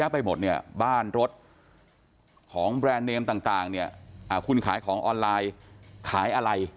แปลนเนมต่างคุณขายของออนไลน์ขายอะไร